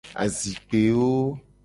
Azikpewo.